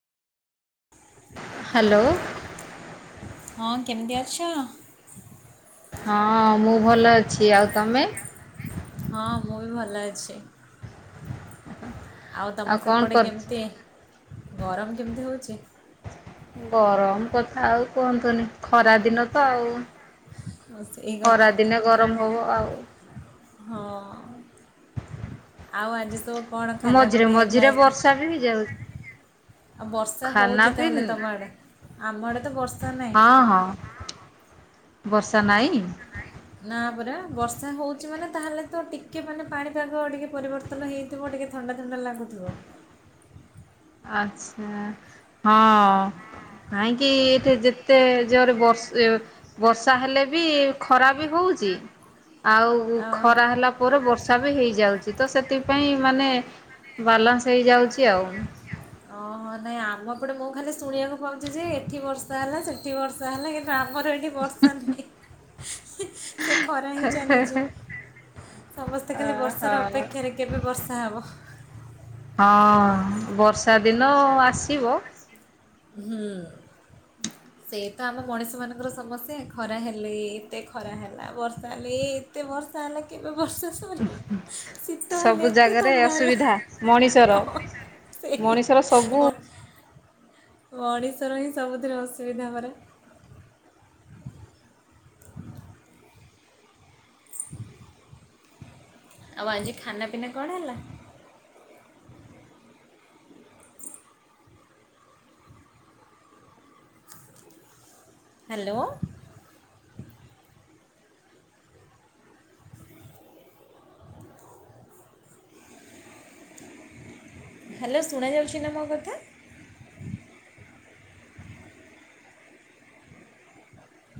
Hello. ହଁ କେମିତି ଅଛ? ହଁ ମୁଁ ଭଲ ଅଛି ଆଉ ତମେ? ହଁ ମୁଁ ବି ଭଲ ଅଛି। ଆଉ ତମ କଣ ସେପଟେ କରୁଛ କେମିତି ଗରମ କେମିତି ହଉଚି? ଗରମ କଥା ଆଉ କୁହନ୍ତୁନି ଖରା ଦିନ ତ ଆଉ। ହଁ, ସେଇ ଖରା କଥା ଦିନେ ଗରମ ହବ ଆଉ। ହଁ। ଆଉ ଆଜି ସବୁ କଣ ଖାନା ମଝିରେ ପିନା ହେଇଥିଲା ମଝିରେ ବର୍ଷା ବି ହେଇଯାଉଛି ଏ ଆଉ ବର୍ଷା ଖାନା ହଉଚି ପିନ୍ ତାହେଲେ ତମ ଆଡେ। ଆମ ଆଡେ ତ ବର୍ଷା ନାହିଁ। ହଁ ହଁ ବର୍ଷା ନାହିଁ। ନା ପରା ବର୍ଷା ହଉଛି ମାନେ ତାହେଲେ ତ ଟିକେ ମାନେ ପାଣିପାଗ ଟିକେ ପରିବର୍ତ୍ତନ ହେଇ ଥିବ ଟିକିଏ ଥଣ୍ଡା ଥଣ୍ଡା ଲାଗୁଥିବ। ଆଚ୍ଛା ହଁ। କାହିଁକି ଏଠେ ଯେତେ ଜୋରରେ ବର୍ଷ ବର୍ଷା ହେଲେ ବି ଖରା ବି ହଉଚି ଆଉ ଖରା ଆ ହେଲା। ପରେ ବର୍ଷା ବି ହେଇଯାଉଚି ତ ସେଥିପାଇଁ ମାନେ ବାଲାନ୍ସ ହେଇଯାଉଚି ଆଉ। ଓହୋ ନାଇଁ ଆମ ଏପଟେ ମୁଁ ଖାଲି ଶୁଣିବାକୁ ପାଉଚି ଯେ ଏଠି ବର୍ଷା ହେଲା ସେଠି ବର୍ଷା ହେଲା କି ଆମର ଏଠି ବର୍ଷା ନାହିଁ ସେ ଖରା ହିଁ ଚାଲିଚି। ସମସ୍ତେ ଖାଲି ଓହୋ। ବର୍ଷାର ଅପେକ୍ଷାରେ କେବେ ବର୍ଷା ହେବ। ହଁ ବର୍ଷା ଦିନ ଆସିବ। ହୁଁ। ହ ସେ ତ ଆମ ମଣିଷମାନଙ୍କର ସମସ୍ୟା ଖରା ହେଲେ ଏତେ ଖରା ହେଲା ବର୍ଷା ହେଲେ ତ ବର୍ଷ ଆଲା କେବେ ବର୍ଷା। ସରିବ ଶୀତ [unintelligible] ହେଲେ ସବୁ ଏତେ ଜାଗାରେ ଥଣ୍ଡା ହେଲା ଅସୁବିଧା ମଣିଷର ହଁ, ସେଇ ମଣିଷର ସବୁ ହ ଓଡ଼ିଶାର ହିଁ ସବୁଥିରେ ଅସୁବିଧା ହେବରେ [unintelligible] ଆଉ ଆଜି ଖାନା ପିନା କଣ ହେଲା? ହ୍ୟାଲୋ ହ୍ୟାଲୋ ଶୁଣାଯାଉଛି ନା ମୋ କଥା।